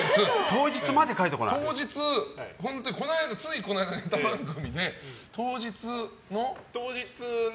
当日、ついこの間のネタ番組で当日の？